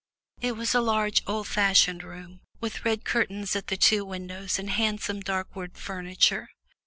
It was a large old fashioned room, with red curtains at the two windows and handsome dark wood furniture.